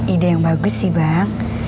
ide yang bagus sih bang